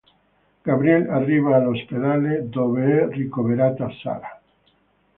Gabriel arriva all'ospedale dove è ricoverata Sarah.